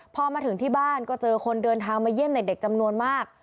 พอมาถึงที่บ้านก็เจอคนเดินทางมาเยี่ยมเด็กจำนวนมาก